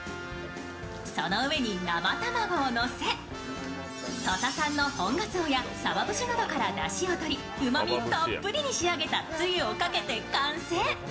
その上に生卵をのせ土佐産の本がつおやさば節などからだしをとりうまみたっぷりにしあげたつゆをかけて完成。